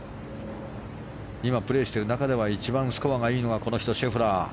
今プレーしている中では一番スコアがいいのはこの人、シェフラー。